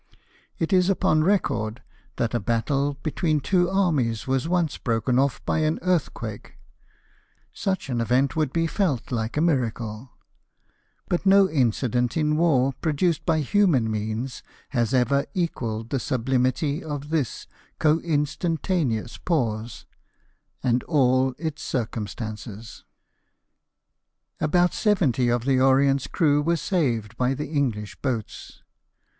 It is upon record that a battle be tween two armies was once broken off by an earth quake — such an event would be felt like a miracle ; but no incident in war, produced by human means, has ever equalled the sublimity of this co instan taneous pause, and all its circumstances. About seventy of the Orient's crew were saved by the English boats.